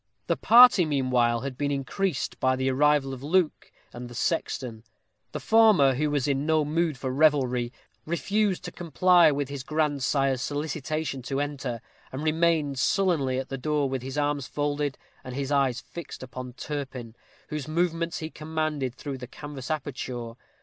The party, meanwhile, had been increased by the arrival of Luke and the sexton. The former, who was in no mood for revelry, refused to comply with his grandsire's solicitation to enter, and remained sullenly at the door, with his arms folded, and his eyes fixed upon Turpin, whose movements he commanded through the canvas aperture.